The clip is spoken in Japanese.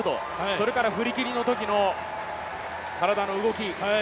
それから振り切りのときの体の動き。